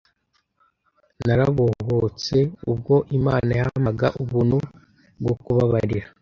narabohotse, ubwo Imana yampaga Ubuntu bwo kubabarira,.